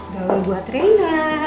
gak perlu buat reyna